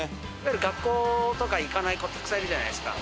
学校とか行かない子たくさんいるじゃないですか。